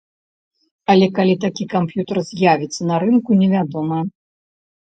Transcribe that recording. Але калі такі камп'ютар з'явіцца на рынку, невядома.